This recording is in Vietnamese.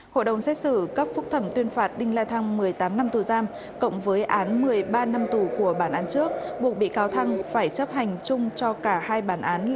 hội đồng xét xử cấp phúc thẩm tuyên phạt đinh la thăng một mươi tám năm tù giam cộng với án một mươi ba năm tù của bản án trước buộc bị cáo thăng phải chấp hành chung cho cả hai bản án là